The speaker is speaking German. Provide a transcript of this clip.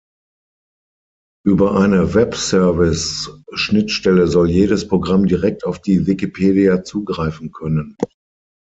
Über eine Webservices-Schnittstelle soll jedes Programm direkt auf die Wikipedia zugreifen können.